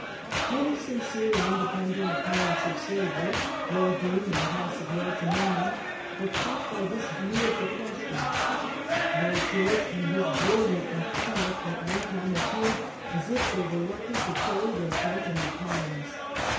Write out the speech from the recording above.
Many sincere and independent oppo nents of slavery, Lord Brougham in the House of Lords among them, were caught by this view of the question. Lord George and his brilliant lieutenant at one time appeared as if they were likely to carry their point in the Commons.